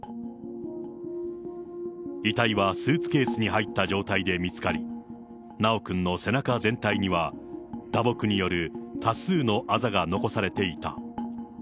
遺体はスーツケースに入った状態で見つかり、修くんの背中全体には、打撲による多数のあざが残されていた。